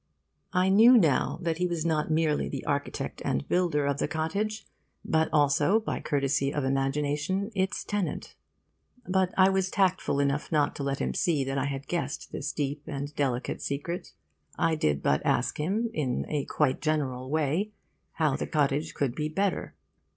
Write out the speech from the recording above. I knew now that he was not merely the architect and builder of the cottage, but also, by courtesy of imagination, its tenant; but I was tactful enough not to let him see that I had guessed this deep and delicate secret. I did but ask him, in a quite general way, how the cottage could be better.